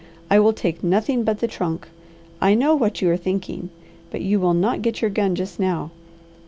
"I will take nothing but the trunk. I know what you are thinking, but you will not get your gun just now.